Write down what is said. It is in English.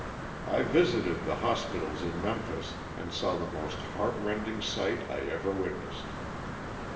I visited the hospitals in Memphis and saw the most heart rending sight I ever witnessed.